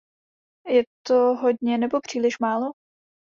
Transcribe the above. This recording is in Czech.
Je to hodně nebo příliš málo?